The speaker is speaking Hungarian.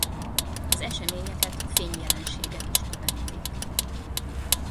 Az eseményeket fényjelenségek is követték.